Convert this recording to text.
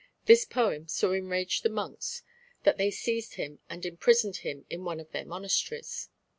This poem so enraged the monks that they seized him and imprisoned him in one of their monasteries.